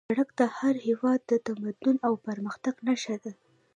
سړک د هر هېواد د تمدن او پرمختګ نښه ده